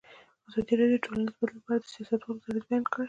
ازادي راډیو د ټولنیز بدلون په اړه د سیاستوالو دریځ بیان کړی.